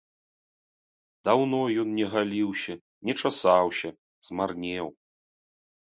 Даўно ён не галіўся, не часаўся, змарнеў.